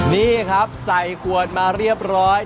นี่ครับใส่ขวดมาเรียบร้อย